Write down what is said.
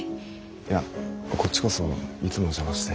いやこっちこそいつもお邪魔して。